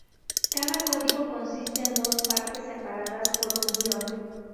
Cada código consiste en dos partes, separadas por un guión.